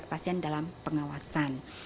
pasien dalam pengawasan